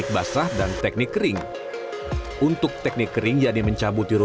dalam rangka konservasi atau pemeliharaan candi borobudur